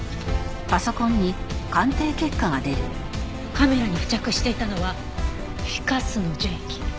カメラに付着していたのはフィカスの樹液。